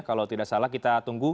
kalau tidak salah kita tunggu